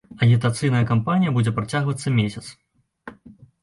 Агітацыйная кампанія будзе працягвацца месяц.